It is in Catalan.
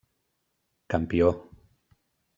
Campió: